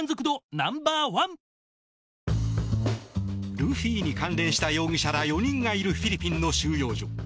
ルフィに関連した容疑者ら４人がいるフィリピンの収容所。